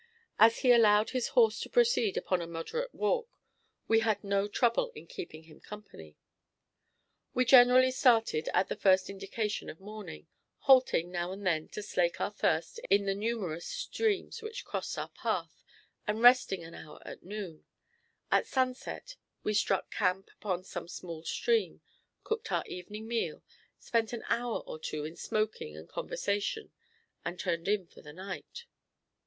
As he allowed his horse to proceed upon a moderate walk, we had no trouble in keeping him company. We generally started at the first indication of morning, halting now and then to slake our thirst in the numerous streams which crossed our path, and resting an hour at noon. At sunset we struck camp upon some small stream, cooked our evening meal, spent an hour or two in smoking and conversation, and turned in for the night.